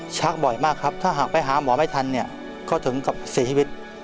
ชักบ่อยมากครับถ้าหากไปหาหมอไม่ทันเนี่ยก็ถึงกับเสียชีวิต